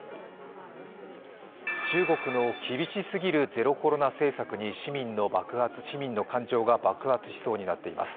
中国の厳しすぎるゼロコロナ政策に市民の感情が爆発しそうになっています。